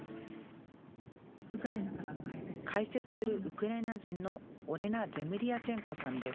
解説するウクライナ人のオレナ・ゼムリヤチェンコさんです。